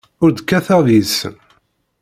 Ur d-kkateɣ deg-sen.